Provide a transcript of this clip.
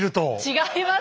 違いますか？